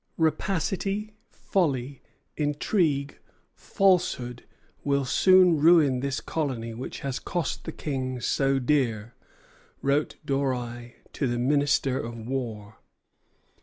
"Rapacity, folly, intrigue, falsehood, will soon ruin this colony which has cost the King so dear," wrote Doreil to the Minister of War.